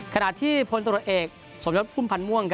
ขนาดที่พลตรวจเอกสมยุทธภูมิพันธ์ม่วง